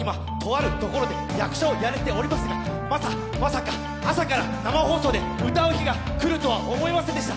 役者を今、やれておりますが、まさか朝から生放送で歌う日が来るとは思いませんでした。